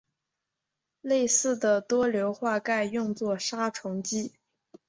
类似的多硫化钙用作杀虫剂。